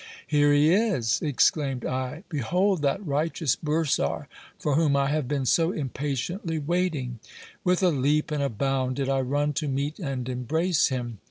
Here he is ! exclaimed I : behold that righteous bursar for whom I have been so impatiently waiting. With a leap and a bound did I run to meet and embrace him.